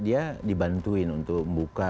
dia dibantuin untuk membuka